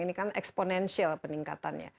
ini kan eksponensial peningkatannya